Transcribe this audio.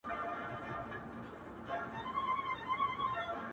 ما درته وژړل، ستا نه د دې لپاره,